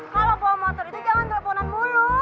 kalau bawa motor itu jangan teleponan mulu